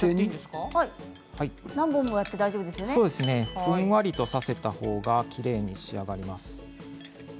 ふんわりとさせた方がきれいに仕上がります。